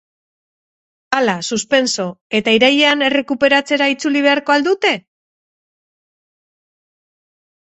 Ala suspenso, eta irailean errekuperatzera itzuli beharko al dute?